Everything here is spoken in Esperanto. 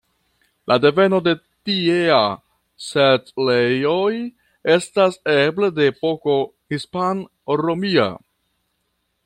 La deveno de tiea setlejoj estas eble de epoko hispan-romia.